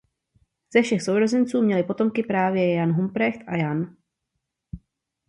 Ze všech sourozenců měli potomky právě jen Humprecht a Jan.